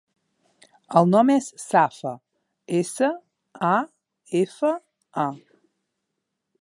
El nom és Safa: essa, a, efa, a.